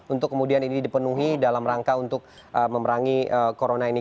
untuk kemudian ini dipenuhi dalam rangka untuk memerangi corona ini